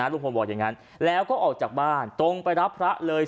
ลุงพลบอกอย่างนั้นแล้วก็ออกจากบ้านตรงไปรับพระเลย